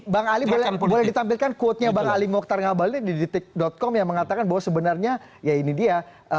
bang ali boleh ditampilkan quote nya bang ali mokhtar ngabalin di detik com yang mengatakan bahwa sebenarnya ya ini dia